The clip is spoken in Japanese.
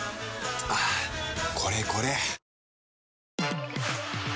はぁこれこれ！